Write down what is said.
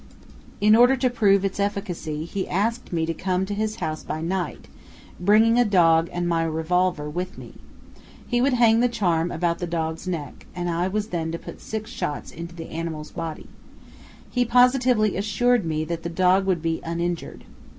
In order to prove its efficacy he asked me to come to his house by night, bringing a dog and my revolver with me. He would hang the charm about the dog's neck, and I was then to put six shots into the animal's body. He positively assured me that the dog would be uninjured.